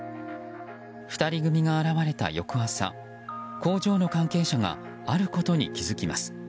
２人組が現れた翌朝工場の関係者があることに気づきます。